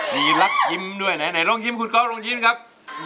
มีรักยิ้มด้วยในลุ่งยิ้มคุณกรัฟลงยิ้มนะครับ